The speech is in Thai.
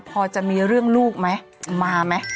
พอจะมีเรื่องลูกไหมมาไหม